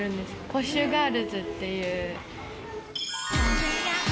ポッシュガールズっていう。